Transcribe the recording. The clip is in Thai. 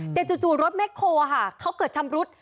แต่จู่รถแม็กโฮล์อะฮะเขาเกิดชำรุษ